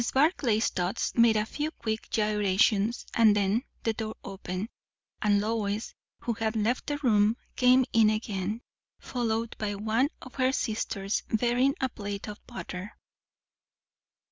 Barclay's thoughts made a few quick gyrations; and then the door opened, and Lois, who had left the room, came in again, followed by one of her sisters bearing a plate of butter.